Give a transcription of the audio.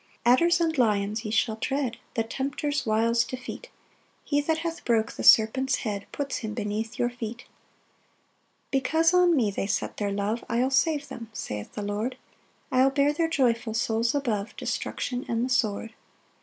5 Adders and lions ye shall tread; The tempter's wiles defeat; He that hath broke the serpent's head Puts him beneath your feet. 6 "Because on me they set their love "I'll save them," saith the Lord; "I'll bear their joyful souls above "Destruction and the sword.